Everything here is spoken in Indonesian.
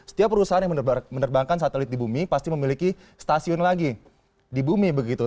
setiap perusahaan yang menerbangkan satelit di bumi pasti memiliki stasiun lagi di bumi begitu